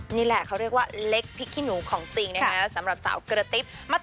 นี่แหละเขาเรียกว่าเล็กพริกขี้หนูของจริงนะคะสำหรับสาวกระติ๊บ